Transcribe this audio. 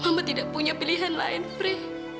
mama tidak punya pilihan lain fre